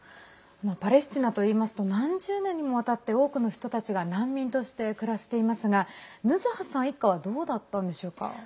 パレスチナといいますと何十年にもわたって多くの人たちが難民として暮らしていますがヌズハさん一家はどうだったんでしょうか？